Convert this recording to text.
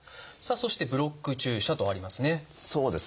そして「ブロック注射」とありますね。